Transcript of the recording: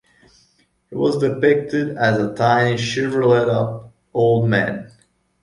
He was depicted as a tiny shriveled-up old man.